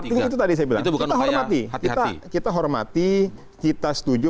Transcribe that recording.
artinya itu tadi saya bilang kita hormati kita setuju